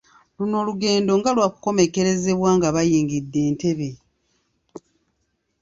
Luno olugeendo nga lwakukomekkerezebwa nga bayingidde e Ntebe.